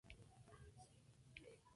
Él es el hermano mayor de cinco hijos.